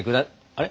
あれ？